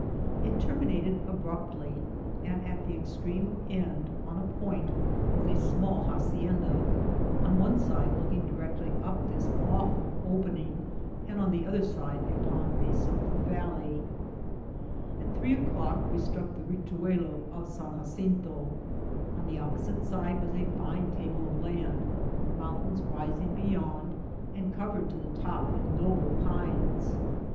It terminated abruptlyi and at the extreme end, on a point, was a small hacien da, on one side looking directly up this awful opening, and on the other upon a soft yalley. At three o'clock we struck the rituello of San Jacin to. On the opposite side was a fine table of land, with mountains rising beyond, and cov^ed to the top with noble pines.